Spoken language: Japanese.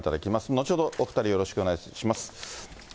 後ほどお２人、よろしくお願いします。